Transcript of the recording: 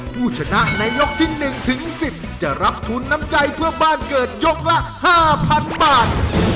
ผู้ชนะในยกที่๑ถึง๑๐จะรับทุนน้ำใจเพื่อบ้านเกิดยกละ๕๐๐๐บาท